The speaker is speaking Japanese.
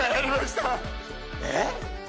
えっ？